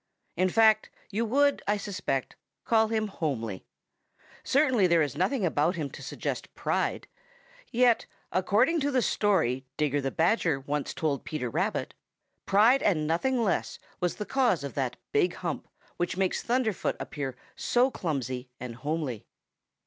In fact, you would, I suspect, call him homely. Certainly there is nothing about him to suggest pride. Yet according to the story Digger the Badger once told Peter Rabbit, pride and nothing less was the cause of that big hump which makes Thunderfoot appear so clumsy and homely.